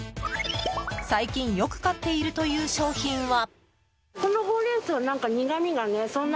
最近よく買っているという商品は。